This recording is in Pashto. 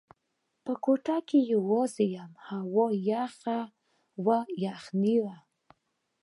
په کوټه کې یوازې وم او هوا یخه وه، یخنۍ وه.